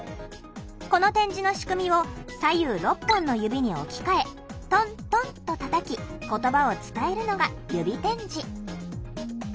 この点字の仕組みを左右６本の指に置き換え「トントン」とたたき言葉を伝えるのが指点字。